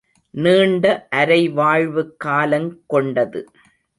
நீண்ட அரைவாழ்வுக் காலங் கொண்டது.